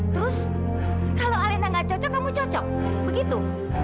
terus kalau alena enggak cocok kamu cocok begitu